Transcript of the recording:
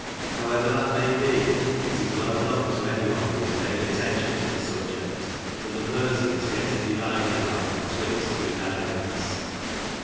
However that may be, it is well known to any one who has paid attention to the •nl^ect, that the Mersey is yet a dividing line be twixt two dialects.